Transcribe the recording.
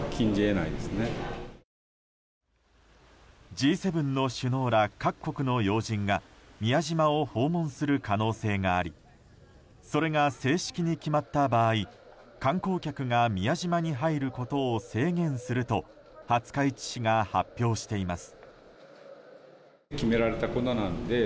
Ｇ７の首脳ら、各国の要人が宮島を訪問する可能性がありそれが正式に決まった場合観光客が宮島に入ることを制限すると廿日市市が発表しています。